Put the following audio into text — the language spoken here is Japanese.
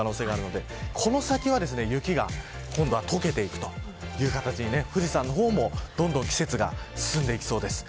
可能性があるのでこの先は雪がとけていくという形に富士山の方も、どんどん季節が進んでいきそうです。